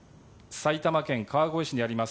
埼玉県川越市にあります